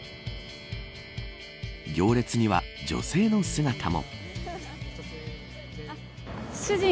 行列には、女性の姿も。